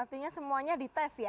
artinya semuanya dites ya